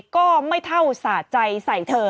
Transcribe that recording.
ก็ไม่เท่าสะใจใส่เธอ